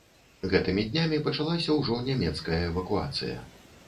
Гэтымі днямі пачалася ўжо нямецкая эвакуацыя.